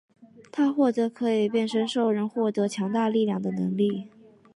他获得可以变身兽人获得强大力量的能力。